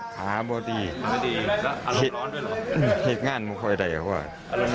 ฮิตงานมึงคอยที่เอาเปา